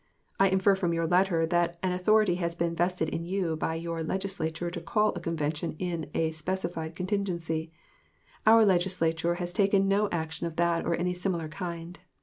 I infer from your letter that an authority has been vested in you by your Legislature to call a convention in a specified contingency. Our Legislature has taken no action of that or any similar kind.